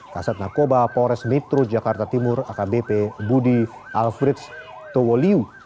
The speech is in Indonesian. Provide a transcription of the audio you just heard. kasat narkoba polres metro jakarta timur akbp budi alfreds towoliu